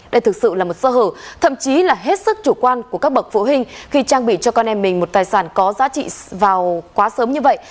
đây thực sự là một sơ hở thậm chí là hết sức chủ quan của các bậc phụ huynh khi trang bị cho con em mình một tài sản có giá trị vào quá sớm như vậy